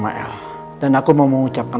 oh iya siap but